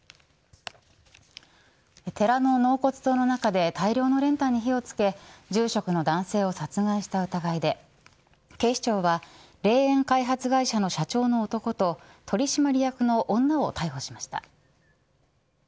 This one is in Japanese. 寺の納骨堂の中で大量の練炭に火を付け住職の男性を殺害した疑いで警視庁は霊園開発会社の社長の男と取締役の女を逮捕しました。